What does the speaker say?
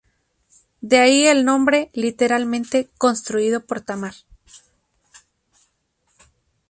De ahí el nombre, literalmente "construido por Tamar".